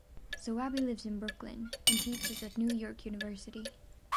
Zoabi lives in Brooklyn and teaches at New York University.